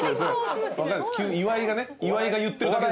岩井がね岩井が言ってるだけです。